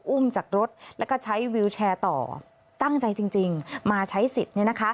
อุ้มจากรถแล้วก็ใช้วิวแชร์ต่อตั้งใจจริงมาใช้สิทธิ์